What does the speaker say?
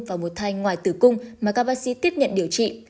và một thai ngoài tử cung mà các bác sĩ tiếp nhận điều trị